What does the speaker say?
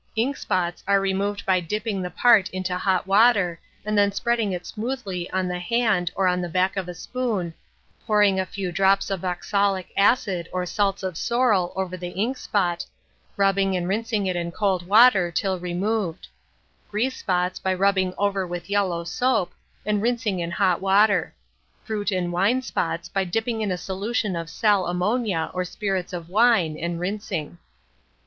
Ink spots are removed by dipping the part into hot water, and then spreading it smoothly on the hand or on the back of a spoon, pouring a few drops of oxalic acid or salts of sorel over the ink spot, rubbing and rinsing it in cold water till removed; grease spots, by rubbing over with yellow soap, and rinsing in hot water; fruit and wine spots, by dipping in a solution of sal ammonia or spirits of wine, and rinsing.